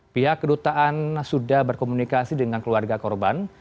pihak kedutaan sudah berkomunikasi dengan keluarga korban